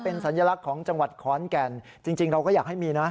เป็นสัญลักษณ์ของจังหวัดขอนแก่นจริงเราก็อยากให้มีนะ